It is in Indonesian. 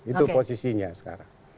itu posisinya sekarang